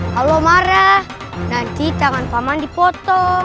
kalau marah nanti jangan paman dipotong